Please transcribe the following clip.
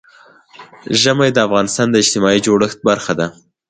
ژمی د افغانستان د اجتماعي جوړښت برخه ده.